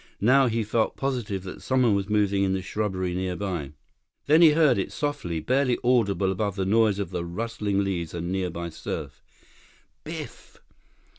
Now he felt positive that someone was moving in the shrubbery nearby. Then he heard it, softly, barely audible above the noise of the rustling leaves and nearby surf. "Biff!"